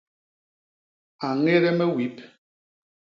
A ñéde me wip.